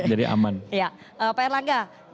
jadi aman pak erlangga